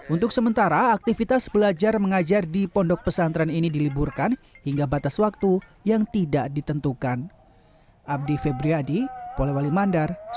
untuk sementara aktivitas belajar mengajar di pondok pesantren ini diliburkan hingga batas waktu yang tidak ditentukan